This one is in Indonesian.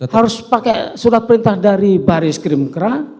harus pakai surat perintah dari baris krim kera